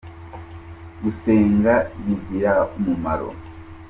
Gusenga bigira umumaro.